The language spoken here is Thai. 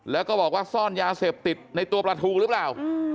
แล้วก็บอกว่าซ่อนยาเสพติดในตัวปลาทูหรือเปล่า